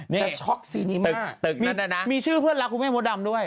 เน้นช็อคซีนีมะตึกนั่นแน่นะมีชื่อเพื่อนรักคุณแม่มดดำด้วย